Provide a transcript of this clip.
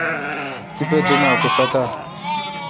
تیپہ دوم اؘ کو پتا۔